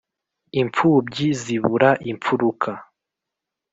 Imfubyi zibura imfuruk